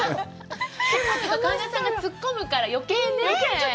神田さんがツッコむから、余計ね。